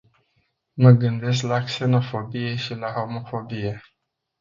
Mă gândesc la xenofobie și la homofobie.